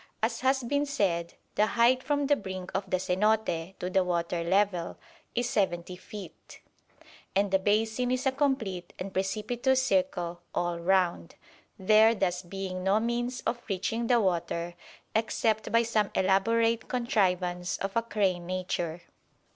As has been said, the height from the brink of the cenote to the water level is seventy feet, and the basin is a complete and precipitous circle all round; there thus being no means of reaching the water except by some elaborate contrivance of a crane nature.